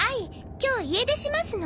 今日家出しますの。